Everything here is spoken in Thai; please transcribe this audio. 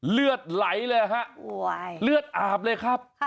เลือดไหลเลยฮะเลือดอาบเลยครับ